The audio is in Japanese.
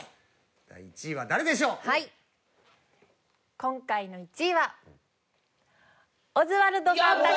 今回の１位はオズワルドさんたち。